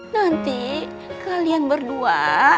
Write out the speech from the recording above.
nanti kalian berdua